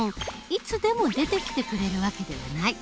いつでも出てきてくれる訳ではない。